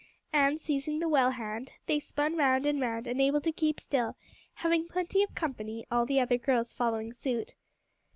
and seizing the well hand, they spun round and round, unable to keep still, having plenty of company, all the other girls following suit.